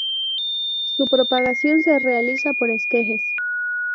Su propagación se realiza por esquejes.